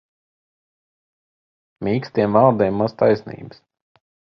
Mīkstiem vārdiem maz taisnības.